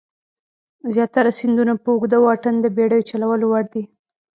زیاتره سیندونه په اوږده واټن د بېړیو چلولو وړ دي.